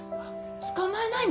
捕まえないの？